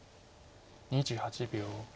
２８秒。